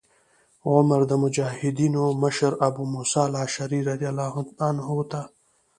عمر د مجاهدینو مشر ابو موسی الأشعري رضي الله عنه ته